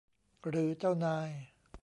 หรือเจ้านาย